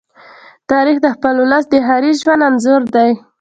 تاریخ د خپل ولس د ښاري ژوند انځور دی.